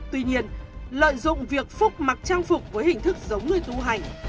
tuy nhiên lợi dụng việc phúc mặc trang phục với hình thức giống người tu hành